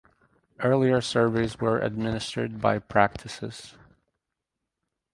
Earlier surveys were administered by practices.